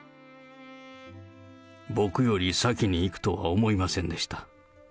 僕より先にいくとは思いませんでした。